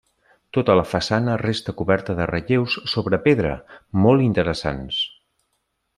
Tota la façana resta coberta de relleus sobre pedra, molt interessants.